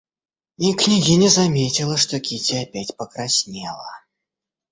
И княгиня заметила, что Кити опять покраснела.